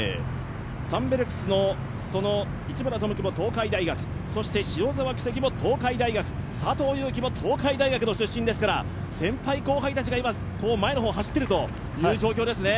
サンベルクスの市村朋樹も東海大学、そして塩澤稀夕も東海大学、佐藤悠基も東海大学の出身ですから先輩後輩たちが前の方を走っているという状況ですね。